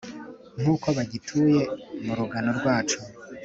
nk’uko bagituye mu rugano rwacu.